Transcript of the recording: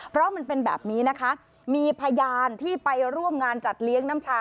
เพราะมันเป็นแบบนี้นะคะมีพยานที่ไปร่วมงานจัดเลี้ยงน้ำชา